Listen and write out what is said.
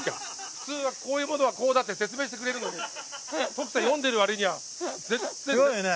普通はこういうものはこうだって説明してくれるのに徳さん読んでる割には。すごいよね。